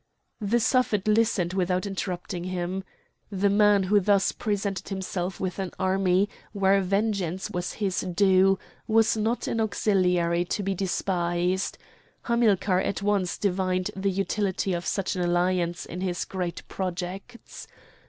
The Suffet listened without interrupting him. The man who thus presented himself with an army where vengeance was his due was not an auxiliary to be despised; Hamilcar at once divined the utility of such an alliance in his great projects.